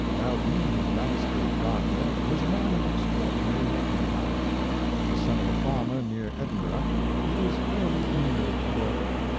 Loudon, the landscape gardner, was a man of extra ordinary working power. The son of a farmer near Edinburgh, he was early inured to work.